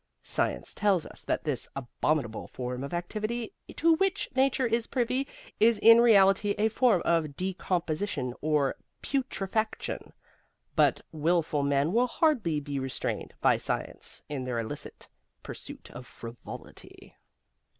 Science tells us that this abominable form of activity to which Nature is privy is in reality a form of decomposition or putrefaction; but willful men will hardly be restrained by science in their illicit pursuit of frivolity.